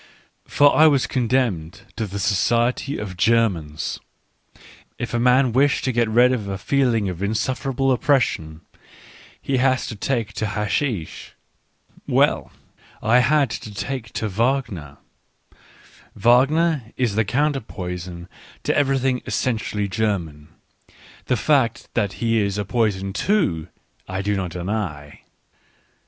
For I was condemned to the society of Germans. If a man wish to get rid of a feeling of insufferable oppression, he has to take to hashish. Well, I had to take to Wagner. Wagner is the counter poison to everything essentially German — the fact that he is a poison too, I do not deny.